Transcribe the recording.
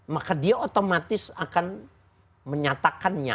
maka dia otomatis akan menyatakannya